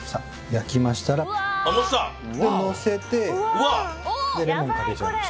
あのせた！でのせてレモンかけちゃいます。